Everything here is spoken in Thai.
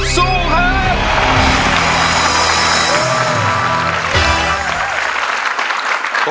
สู้ครับ